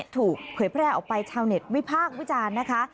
ถูกเผยแพร่ออกไปชาวเน็ตวิพากษ์วิจารณ์นะคะ